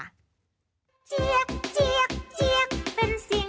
เย่